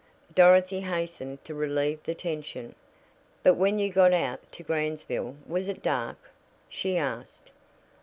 Dorothy hastened to relieve the tension. "But when you got out to Gransville, was it dark?" she asked.